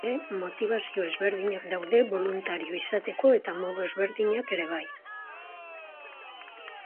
Motibazio ezberdinak daude boluntario izateko eta modu ezberdinak ere bai.